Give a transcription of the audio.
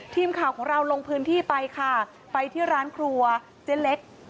ทีมข่าวของเราลงพื้นที่ไปค่ะไปที่ร้านครัวเจ๊เล็ก